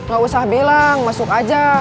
gak usah bilang masuk aja